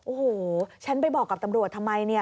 โอ้โหฉันไปบอกกับตำรวจทำไมเนี่ย